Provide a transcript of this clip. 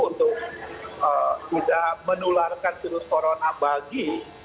untuk tidak menularkan virus corona bagi